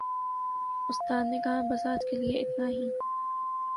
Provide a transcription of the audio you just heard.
اُستاد نے کہا، "بس آج کے لئے اِتنا ہی"